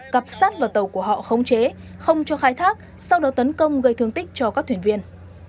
cặp sát vào tàu của họ khống chế không cho khai thác sau đó tấn công gây thương tích cho các thuyền viên